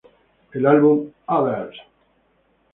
El álbum "Others!